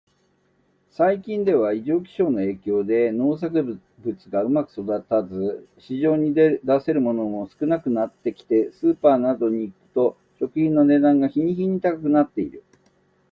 最近では、異常気象の影響で農作物がうまく育たず、市場に出せるものが少なくなってきて、スーパーなどに行くと食品の値段が日に日に高くなっている。